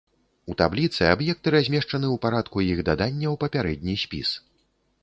У табліцы аб'екты размешчаны ў парадку іх дадання ў папярэдні спіс.